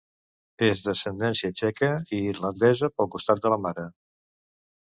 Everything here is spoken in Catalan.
És d'ascendència txeca i irlandesa pel costat de la mare.